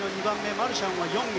マルシャンは４位。